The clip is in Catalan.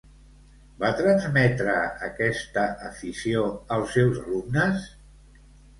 Va transmetre aquesta afició als seus alumnes?